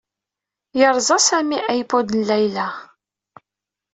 Yerẓa Sami iPod n Layla.